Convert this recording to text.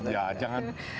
ya jangan khawatir pasti bisa